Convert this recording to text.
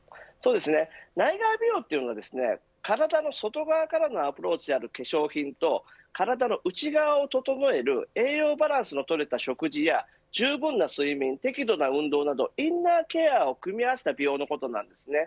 内外美容というのは体の外側からのアプローチである化粧品と体の内側を整える栄養バランスの取れた食事やじゅうぶんな睡眠適度な運動などインナーケアを組み合わせた美容のことなんです。